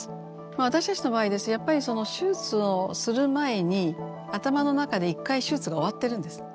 私たちの場合ですとやっぱりその手術をする前に頭の中で一回手術が終わってるんです。